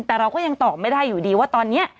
แต่เราก็ยังตอบไม่ได้อยู่ดีว่าตอนนี้